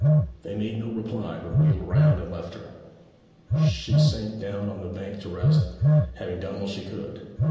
They made no reply, but wheeled round and left her. She sank down on the bank to rest, having done all she could.